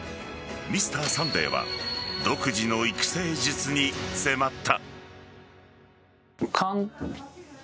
「Ｍｒ．サンデー」は独自の育成術に迫った。